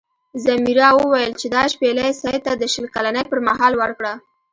ځمیرا وویل چې دا شپیلۍ سید ته د شل کلنۍ پر مهال ورکړه.